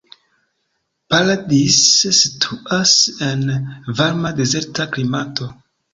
Paradise situas en varma dezerta klimato.